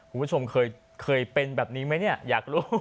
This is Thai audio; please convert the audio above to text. คุณผู้ชมเคยเป็นแบบนี้ไหมเนี่ยอยากรู้